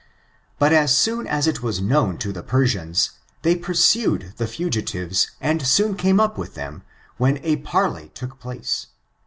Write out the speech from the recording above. ''But as soon as it was known to the Persians, they pursued the fugitives and soon came up with them, when a parley took place.